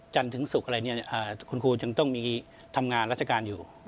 ถึงศุกร์อะไรเนี่ยคุณครูจึงต้องมีทำงานราชการอยู่